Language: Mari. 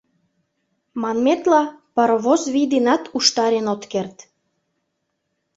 Манметла, паровоз вий денат уштарен от керт.